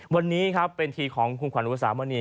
วันนี้ครับเป็นทีของคุณขวัญอุตสามณี